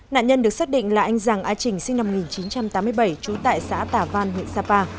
nạn nhân được xác định là anh giàng a trình sinh năm một nghìn chín trăm tám mươi bảy trú tại xã tà văn huyện sapa